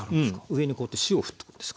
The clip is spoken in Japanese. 上にこうやって塩をふっとくんです。